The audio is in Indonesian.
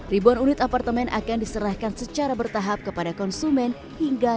ribuan unit apartemen akan diserahkan secara bertahap kepada konsumen hingga dua ribu dua puluh tujuh